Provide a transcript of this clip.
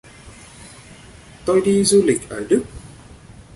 tôi đi du lịch ở đức